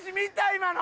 今の。